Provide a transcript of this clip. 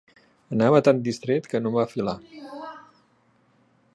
Anava tan distret, que no em va filar.